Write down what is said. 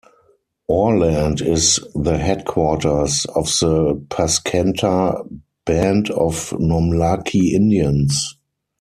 Orland is the headquarters of the Paskenta Band of Nomlaki Indians.